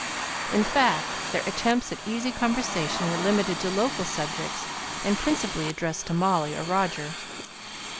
In fact, their attempts at easy conversation were limited to local subjects, and principally addressed to Molly or Roger.